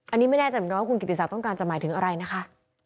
อันนี้ไม่แน่ใจเหมือนกันว่าคุณกิติศักดิต้องการจะหมายถึงอะไรนะคะ